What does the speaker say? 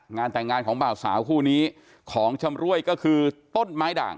งานแต่งงานของบ่าวสาวคู่นี้ของชำรวยก็คือต้นไม้ด่าง